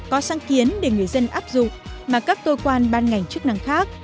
có sáng kiến để người dân áp dụng mà các cơ quan ban ngành chức năng khác